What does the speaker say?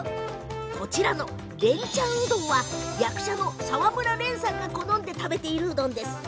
こちらの蓮ちゃんうどんは役者の澤村蓮さんが好んで食べているうどんです。